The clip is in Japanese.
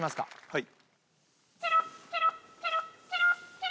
はい。